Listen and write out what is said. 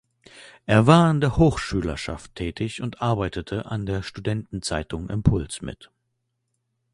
Er war in der Hochschülerschaft tätig und arbeitete an der Studentenzeitung „Impuls“ mit.